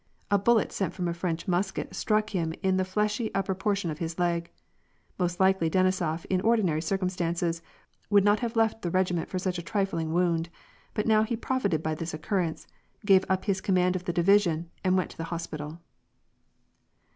A bullet sent from a French musket struck him in the fleshy upper portion of his leg. Most likely Denisof, in ordinary circumstances, would not have left the regi ment for such a trifling wound, but now he profited by this occurrence, gave up his command of the division, and went to the hospital.